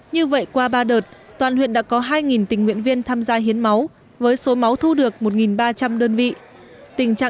như vậy qua ba đợt toàn huyện đã có hai tình nguyện viên tham gia hiến máu với số máu thu được một ba trăm linh đơn vị